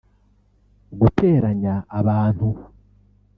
guteranya abantu